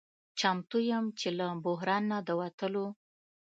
چمتو یم چې له بحران نه د وتلو